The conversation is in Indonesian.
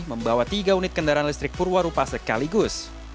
membawa tiga unit kendaraan listrik purwarupa sekaligus